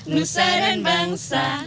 nusa dan bangsa